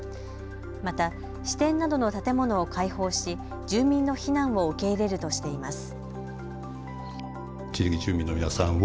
また支店などの建物を開放し住民の避難を受け入れるとしています。